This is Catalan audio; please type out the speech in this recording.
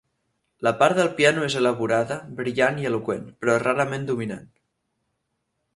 La part del piano és elaborada, brillant i eloqüent, però rarament dominant.